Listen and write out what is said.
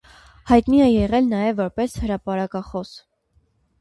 Հայտնի է եղել նաև որպես հրապարակախոս։